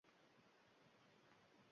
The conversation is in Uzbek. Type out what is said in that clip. Olma nega qizaradi?